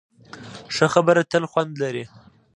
ښه خبره تل خوند لري.